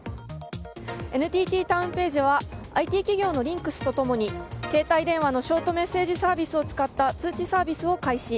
ＮＴＴタウンページはＩＴ企業のリンクスと共に携帯電話のショートメッセージサービスを使った通知サービスを開始。